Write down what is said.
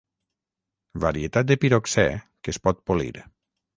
Varietat de piroxè que es pot polir.